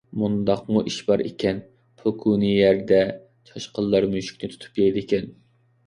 مۇنداقمۇ ئىش بار ئىكەن، پوكۈنى يەردە چاشقانلار مۈشۈكنى تۇتۇپ يەيدىكەن.